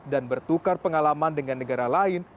dan bertukar pengalaman dengan negara lain